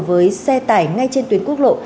với xe tải ngay trên tuyến quốc lộ